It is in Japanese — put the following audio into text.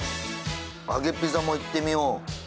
あげピザもいってみよう。